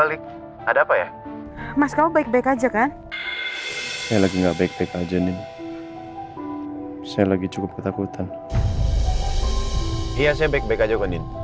iya saya baik baik aja wadid